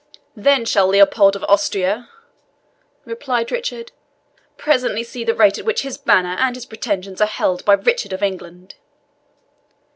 "Then shall Leopold of Austria," replied Richard, "presentry see the rate at which his banner and his pretensions are held by Richard of England."